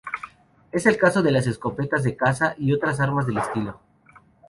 Es el caso de las escopetas de caza y otras armas del estilo.